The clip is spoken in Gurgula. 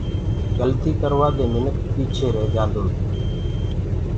گلتيٚ ڪروآ دي منک پيٚچي رهيجآندو هي۔